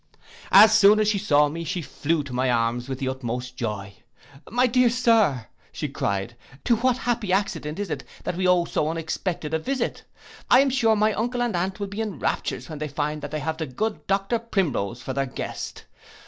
As soon as she saw me, she flew to my arms with the utmost joy. 'My dear sir,' cried she, 'to what happy accident is it that we owe so unexpected a visit? I am sure my uncle and aunt will be in raptures when they find they have the good Dr Primrose for their guest.